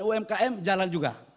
umkm jalan juga